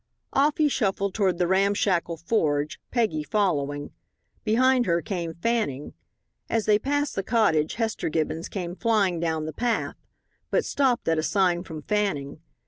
Off he shuffled toward the ramshackle forge, Peggy following. Behind her came Fanning. As they passed the cottage Hester Gibbons came flying down the path, but stopped at a sign from Fanning.